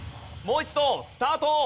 もう一度スタート！